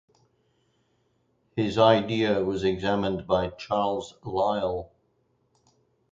His idea was examined by Charles Lyell.